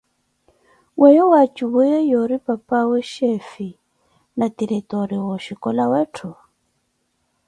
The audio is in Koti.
Weeyo wa tjuwiye yoori papawe chefe na tiretore wa oxhicola weethu?